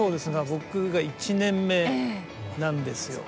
僕が１年目なんですよ。